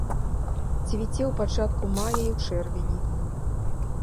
Цвіце ў пачатку мая і ў чэрвені.